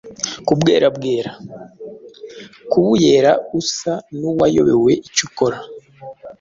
Kubwerabwera: kubuyera usa n’uwayobewe icyo ukora